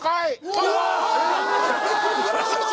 うわ！？